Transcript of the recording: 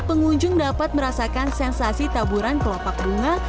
pengunjung dapat merasakan sensasi taburan kelopak bunga